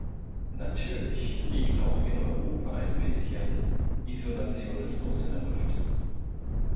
Natürlich liegt auch in Europa ein bisschen Isolationismus in der Luft.